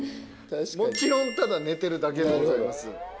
もちろんただ寝てるだけでございます。